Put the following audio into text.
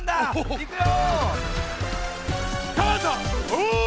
いくよ！